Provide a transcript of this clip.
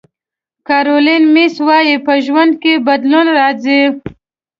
کارولین میس وایي په ژوند کې بدلون راځي.